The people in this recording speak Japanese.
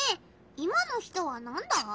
今の人はなんだ？